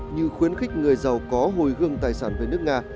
như khuyến khích người giàu có hồi hương tài sản về nước nga